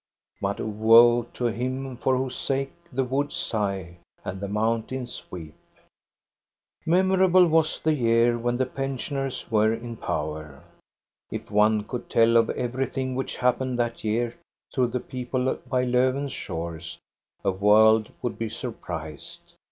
But woe to him for whose sake the woods sigh and the mountains weep. Memorable was the year when the pensioners were in power. If one could tell of everything which happened that year to the people by Lofven's shores a world would be surprised.